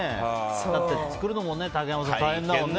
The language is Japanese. だって作るのも大変だもんね。